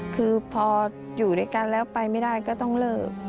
คือพออยู่ด้วยกันแล้วไปไม่ได้ก็ต้องเลิก